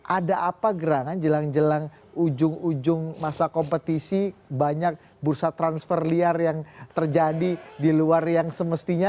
ada apa gerangan jelang jelang ujung ujung masa kompetisi banyak bursa transfer liar yang terjadi di luar yang semestinya